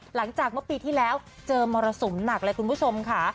หลังจากเมื่อปีที่แล้วเจอมรสุมหนักเลยคุณผู้ชมค่ะ